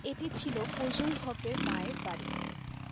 এটি ছিল ফজলুল হকের মায়ের বাড়ি।